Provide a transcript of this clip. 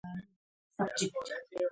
نمځنه د درناوي او احترام په مانا راغلې ده.